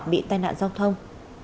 bị tai nạn giao thông